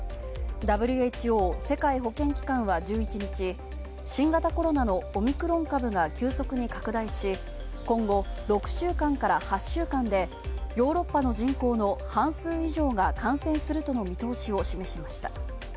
ＷＨＯ＝世界保健機関は１１日、新型コロナのオミクロン株が急速に拡大し、今後、６週間から８週間でヨーロッパの人口の半数以上が感染するとの見通しを示しました。